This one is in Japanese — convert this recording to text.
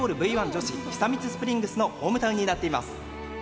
女子久光スプリングスのホームタウンになっています。